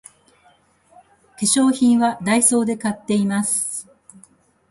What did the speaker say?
化粧品はダイソーで買っています